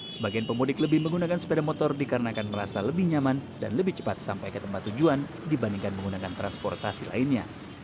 sebagian pemudik lebih menggunakan sepeda motor dikarenakan merasa lebih nyaman dan lebih cepat sampai ke tempat tujuan dibandingkan menggunakan transportasi lainnya